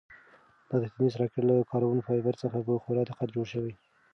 دا د تېنس راکټ له کاربن فایبر څخه په خورا دقت جوړ شوی.